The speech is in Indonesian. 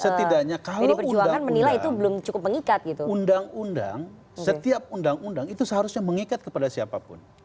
setidaknya kalau undang undang undang undang setiap undang undang itu seharusnya mengikat kepada siapapun